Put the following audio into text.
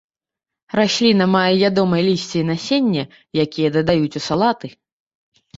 Расліна мае ядомае лісце і насенне, якія дадаюць у салаты.